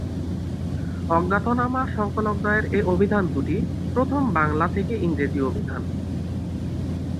অজ্ঞাতনামা সংকলকদ্বয়ের এ অভিধান দুটি প্রথম বাংলা-ইংরেজি অভিধান।